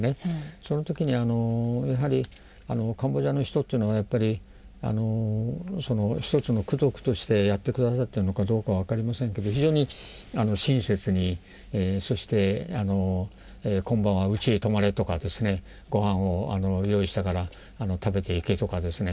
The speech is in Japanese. その時にやはりカンボジアの人というのはやっぱり一つの功徳としてやって下さってるのかどうか分かりませんけど非常に親切にそして今晩はうちへ泊まれとかご飯を用意したから食べていけとかですね。